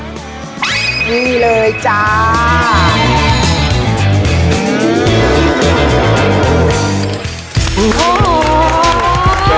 นี่เลยจ้า